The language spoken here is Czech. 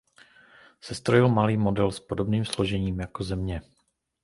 Sestrojil malý model s podobným složením jako Země.